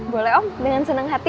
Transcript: boleh om dengan senang hati